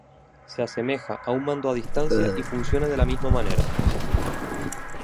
Se asemeja a un mando a distancia y funciona de la misma manera.